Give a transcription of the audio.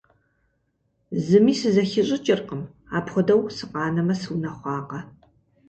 Зыми сызэхищӀыкӀыркъым. Апхуэдэу сыкъанэмэ сыунэхъуакъэ.